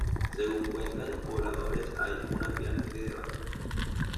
Según cuentan los pobladores hay una pirámide debajo del templo.